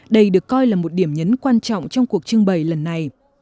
đây được coi là một điểm nhấn quan trọng trong cuộc trưng bày lần này